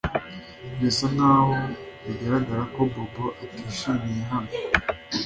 Birasa nkaho bigaragara ko Bobo atishimiye hano